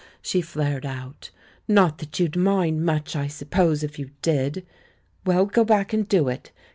she flared out. "Not that you'd mind much, I suppose, if you did. Well, go back and do it.